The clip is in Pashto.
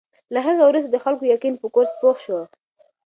له هغې وروسته د خلکو یقین په کورس پوخ شو.